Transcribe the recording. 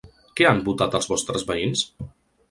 Què han votat els vostres veïns?